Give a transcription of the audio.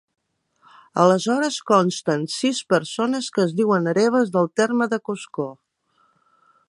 Aleshores consten sis persones que es diuen hereves del terme de Coscó.